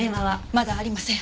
まだありません。